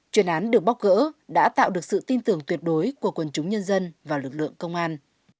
chuyên án được bóc gỡ đã tạo được sự tin tưởng tuyệt đối của quần chúng nhân dân và lực lượng công an